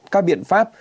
các biện pháp